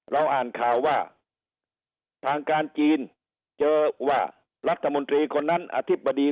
อ่านข่าวว่าทางการจีนเจอว่ารัฐมนตรีคนนั้นอธิบดี